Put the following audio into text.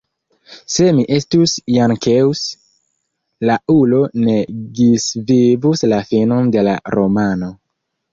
Se mi estus Jankeus, la ulo ne ĝisvivus la finon de la romano.